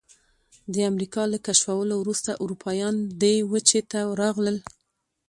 د امریکا له کشفولو وروسته اروپایان دې وچې ته راغلل.